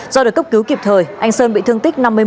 do được cấp cứu kịp thời anh sơn bị thương tích năm mươi một